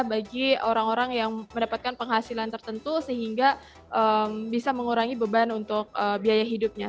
bagi orang orang yang mendapatkan penghasilan tertentu sehingga bisa mengurangi beban untuk biaya hidupnya